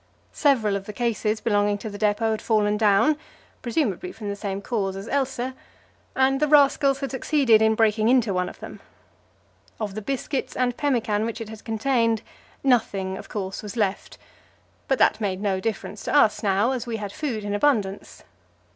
Several of the cases belonging to the depot had fallen down, presumably from the same cause as Else, and the rascals had succeeded in breaking into one of them. Of the biscuits and pemmican which it had contained, nothing, of course, was left; but that made no difference to us now, as we had food in abundance.